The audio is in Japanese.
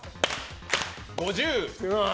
５０。